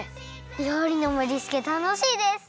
りょうりのもりつけたのしいです！